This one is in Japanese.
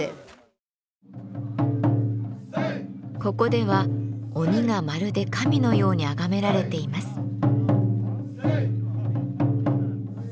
ここでは鬼がまるで神のように崇められています。